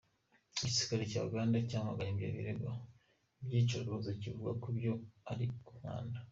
Igisirikare cya Uganda cyamaganye ibyo birego by'iyicarubozo, kivuga ko ibyo ari "umwanda.